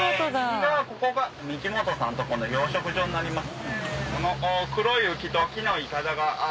ここがミキモトさんとこの養殖場になります。